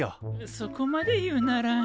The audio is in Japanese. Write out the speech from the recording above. そこまで言うなら。